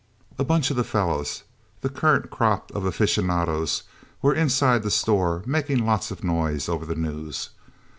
A Bunch of fellas the current crop of aficionados were inside the store, making lots of noise over the news.